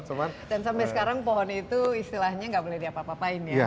dan sampai sekarang pohon itu istilahnya tidak boleh diapa apapain ya